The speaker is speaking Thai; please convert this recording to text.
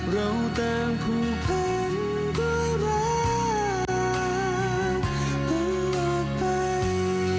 เราตั้งผู้เพื่อนด้วยมาตลอดไป